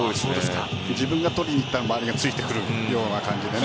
自分が取りに行ったら周りがついてくるような感じで。